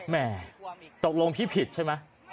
แม่ตกลงพี่ผิดใช่ไหม